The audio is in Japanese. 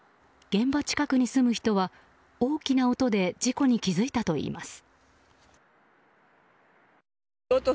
現場近くに住む人は大きな音で事故に気付いたといいます。